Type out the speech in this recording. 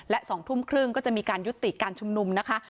และ๒ทุ่มครึ่งก็จะมีการยุติการชุมนุมนะคะ